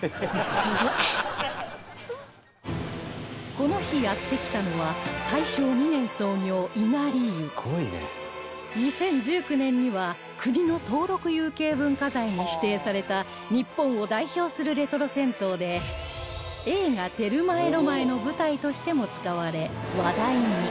この日やって来たのは２０１９年には国の登録有形文化財に指定された日本を代表するレトロ銭湯で映画『テルマエ・ロマエ』の舞台としても使われ話題に